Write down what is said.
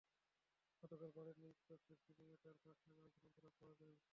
গতকাল বাড়ির নিজ কক্ষের সিলিংয়ে তার ফাঁস লাগানো ঝুলন্ত লাশ পাওয়া যায়।